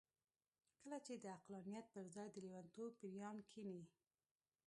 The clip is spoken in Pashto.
کله چې د عقلانيت پر ځای د لېونتوب پېريان کېني.